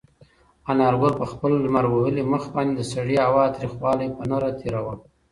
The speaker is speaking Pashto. انارګل په خپل لمر وهلي مخ باندې د سړې هوا تریخوالی په نره تېراوه.